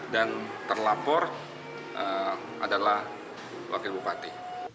dan terlapor adalah wakil bupati